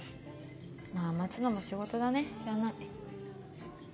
まぁ待つのも仕事だねしゃあない。